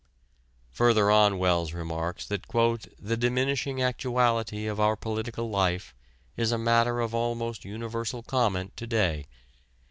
Further on Wells remarks that "this diminishing actuality of our political life is a matter of almost universal comment to day....